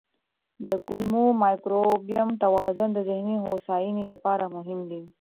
د کولمو مایکروبیوم توازن د ذهني هوساینې لپاره مهم دی.